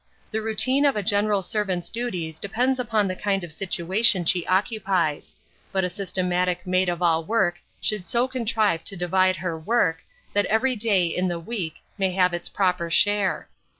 The routine of a general servant's duties depends upon the kind of situation she occupies; but a systematic maid of all work should so contrive to divide her work, that every day in the week may have its proper share.